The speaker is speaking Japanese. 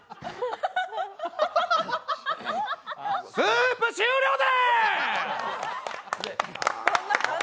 スープ、終了です！